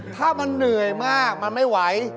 ถ้ามันเหนื่อยมากมันไม่ไหว